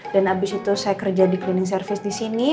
dan abis itu saya kerja di cleaning service disini